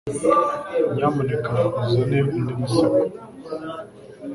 Nyamuneka uzane undi musego? .